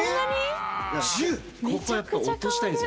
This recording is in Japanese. ここはやっぱ落としたいんですよ。